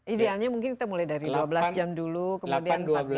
idealnya mungkin kita mulai dari dua belas jam dulu kemudian empat belas jam